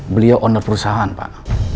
beliau owner perusahaan pak